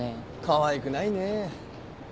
かわいくないねぇ。